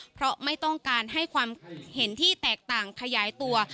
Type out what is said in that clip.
เพราะไม่ต้องการให้ความเห็นที่แตกต่างขยายตัว